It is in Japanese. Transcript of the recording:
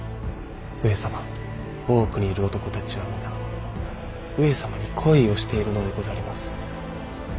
上様大奥にいる男たちは皆上様に恋をしているのでござります。